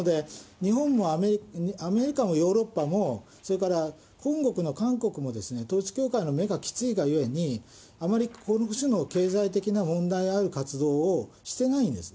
ですので、日本もアメリカもヨーロッパも、それから本国の韓国も、統一教会の目がきついがゆえに、あまりこの種の経済的な問題ある活動をしてないんです。